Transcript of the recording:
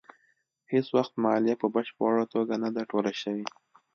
هېڅ وخت مالیه په بشپړه توګه نه ده ټوله شوې.